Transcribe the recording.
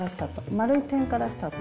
丸い点からスタート。